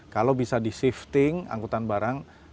kalau bisa di shifting angkutan barang utamanya makin mudah